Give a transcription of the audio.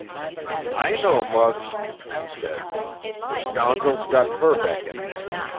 "I know, Muggs," he said. "The scoundrel's got Verbeck in there.